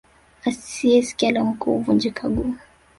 Asiyekia la Mkuu Huvunyika Guu